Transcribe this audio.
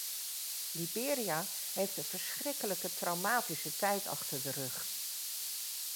Liberia heeft een verschrikkelijke, traumatische tijd achter de rug.